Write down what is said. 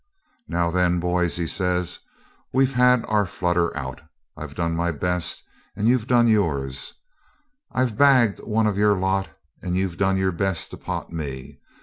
'Now then, boys,' he says, 'we've had our flutter out. I've done my best, and you've done yours. I've bagged one of your lot, and you've done your best to pot me.